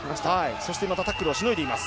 そしてまたタックルをしのいでいます。